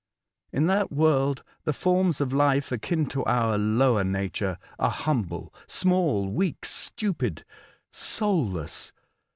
In that world the forms of life akin to our lower nature are humble, small, weak, stupid, soulless.